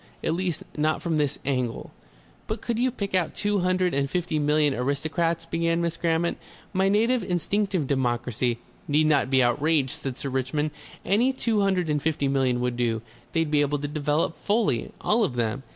At least, not from this angle." "But could you pick out two hundred and fifty million aristocrats?" began Miss Grammont. "My native instinctive democracy " "Need not be outraged," said Sir Richmond. "Any two hundred and fifty million would do, They'd be able to develop fully, all of them.